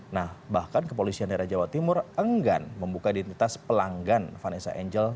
nah bahkan kepolisian daerah jawa timur enggan membuka identitas pelanggan vanessa angel